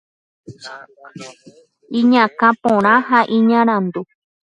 Iñakã porã ha iñarandu.